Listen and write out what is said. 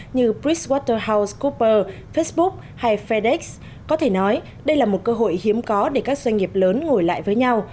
như bridgewaterhousecoopers facebook hay fedex có thể nói đây là một cơ hội hiếm có để các doanh nghiệp lớn ngồi lại với nhau